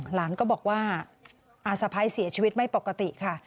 หลานก็บอกว่าอาสะพ้ายเสียชีวิตไม่ปกติค่ะ